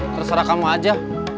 terserah kamu aja